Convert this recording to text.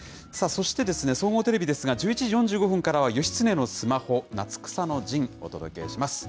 そして、総合テレビですが、１１時４５分からは、義経のスマホ夏草の陣、お届けします。